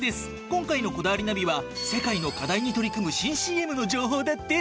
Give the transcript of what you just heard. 今回の『こだわりナビ』は世界の課題に取り組む新ＣＭの情報だって。